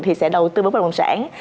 thì sẽ đầu tư bất động sản